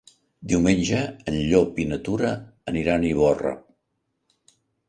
Diumenge en Llop i na Tura aniran a Ivorra.